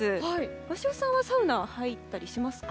鷲尾さんは、サウナ入ったりしますか？